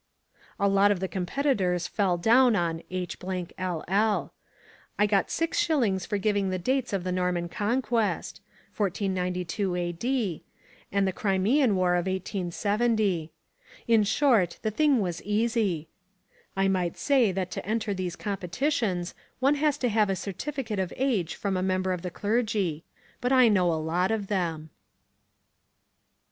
A lot of the competitors fell down on H LL. I got six shillings for giving the dates of the Norman Conquest, 1492 A.D., and the Crimean War of 1870. In short, the thing was easy. I might say that to enter these competitions one has to have a certificate of age from a member of the clergy. But I know a lot of them.